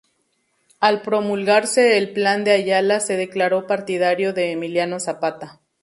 Al promulgarse el Plan de Ayala se declaró partidario de Emiliano Zapata.